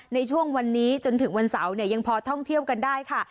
ในช่วงวันนี้จนถึงวันเสาร์เนี่ยยังพอท่องเที่ยวกันได้ค่ะ